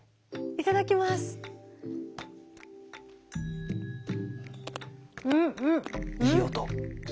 いい音。